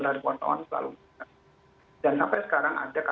nah yang penting bagi saya adalah ketika di wartawan mengemukakan satu fakta